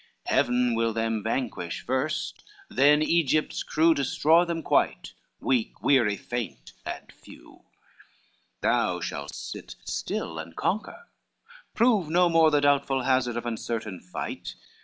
Heaven will them vanquish first, then Egypt's crew Destroy them quite, weak, weary, faint and few: XV "Thou shalt sit still and conquer; prove no more The doubtful hazard of uncertain fight.